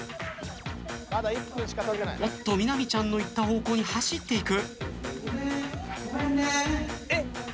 おっとみなみちゃんの行った方向に走っていく。